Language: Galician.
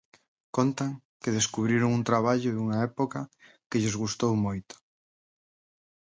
Contan que descubriron un traballo e unha época que lles gustou moito.